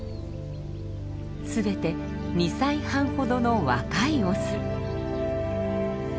すべて２歳半ほどの若いオス。